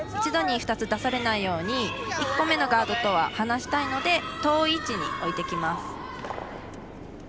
一度に２つ出されないように１個目のガードとは離したいので遠い位置に置いてきます。